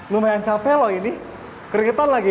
lumayan capek loh ini keringetan lagi